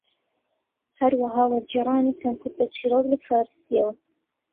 هەروەها وەرگێڕانی چەند کورتە چیرۆک لە فارسییەوە